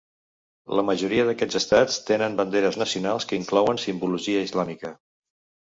La majoria d'aquests estats tenen banderes nacionals que inclouen simbologia islàmica.